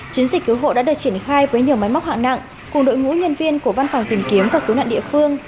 chiến dịch cứu hộ đã được triển khai với nhiều máy móc hạng nặng cùng đội ngũ nhân viên của văn phòng tìm kiếm và cứu nạn địa phương